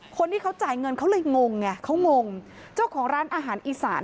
คนที่เขาจ่ายเงินเขาเลยงงไงเขางงเจ้าของร้านอาหารอีสาน